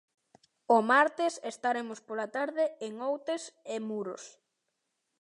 O martes estaremos pola tarde en Outes e Muros.